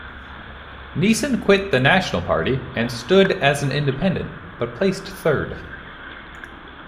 Neeson quit the National Party and stood as an independent, but placed third.